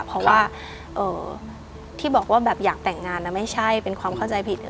เพราะว่าที่บอกว่าแบบอยากแต่งงานไม่ใช่เป็นความเข้าใจผิด